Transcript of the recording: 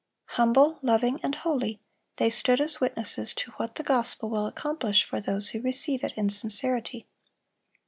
Humble, loving, and holy, they stood as witnesses to what the gospel will accomplish for those who receive it in sincerity.